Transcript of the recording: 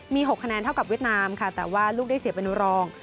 มี๖คะแนนเท่ากับเวียดนามค่ะแต่ว่าลูกได้เสียเป็นรอง